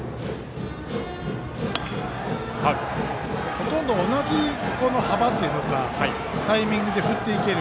ほとんど同じ幅というかタイミングで振っていける。